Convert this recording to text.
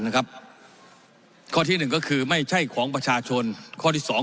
ข้อที่หนึ่งก็คือไม่ใช่ของประชาชนข้อที่สอง